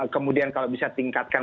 kemudian kalau bisa tingkatkan